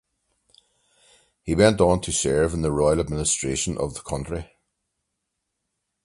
He went on to serve in the royal administration of the county.